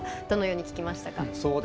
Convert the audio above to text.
どのように聞きましたか？